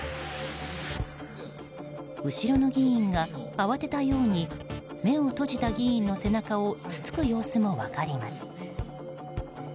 後ろの議員が慌てたように目を閉じた議員の背中をつつく様子も分かります。